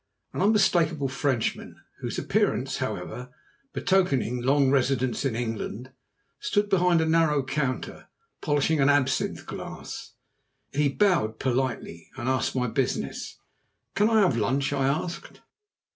An unmistakable Frenchman, whose appearance, however, betokened long residence in England, stood behind a narrow counter polishing an absinthe glass. He bowed politely and asked my business. "Can I have lunch?" I asked.